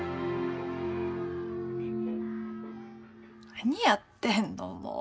何やってんのもう。